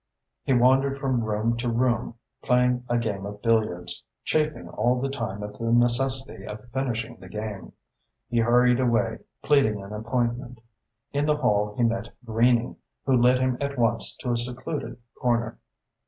He wandered from room to room, played a game of billiards, chafing all the time at the necessity of finishing the game. He hurried away, pleading an appointment. In the hall he met Greening, who led him at once to a secluded corner.